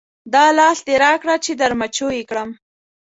دا لاس دې راکړه چې در مچو یې کړم.